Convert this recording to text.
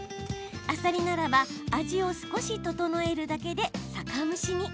あさりならば味を少し調えるだけで酒蒸しに。